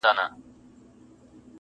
تر کور دباندي له اغیاره سره لوبي کوي-